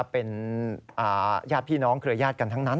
เป็นญาติพี่น้องเครือญาติกันทั้งนั้น